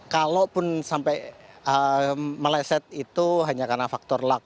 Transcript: kalaupun sampai meleset itu hanya karena faktor luck